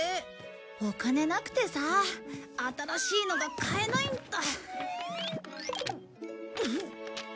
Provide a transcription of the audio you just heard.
お金なくてさ新しいのが買えないんだ。